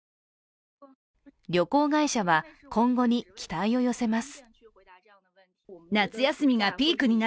旅行会社は今後に期待を寄せます。